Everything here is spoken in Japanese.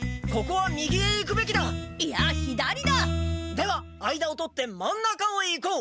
ではあいだを取って真ん中を行こう。